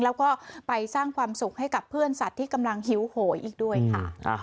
แล้วก็ไปสร้างความสุขให้กับเพื่อนสัตว์ที่กำลังหิวโหยอีกด้วยค่ะ